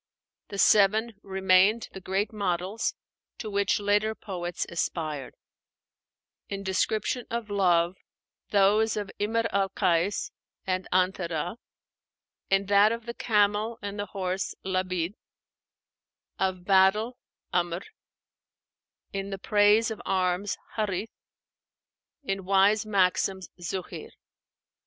The seven remained the great models, to which later poets aspired: in description of love, those of Imr al Kais and 'Antara; in that of the camel and the horse, Labîd; of battle, 'Amr; in the praise of arms, Hárith; in wise maxims, Zuhéir.